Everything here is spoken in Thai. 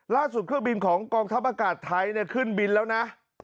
เครื่องบินของกองทัพอากาศไทยขึ้นบินแล้วนะ